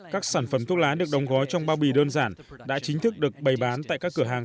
các sản phẩm thuốc lá được đóng gói trong bao bì đơn giản đã chính thức được bày bán